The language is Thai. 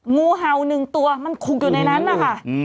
งูเห่า๑ตัวมันขุกอยู่ในนั้นนะคะ